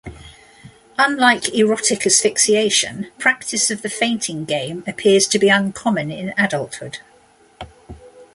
Unlike erotic asphyxiation, practice of the fainting game appears to be uncommon in adulthood.